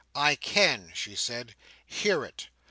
"I can," she said. "Hear it!